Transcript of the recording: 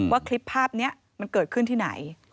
ว่าคลิปภาพนี้มันเกิดขึ้นที่ไหน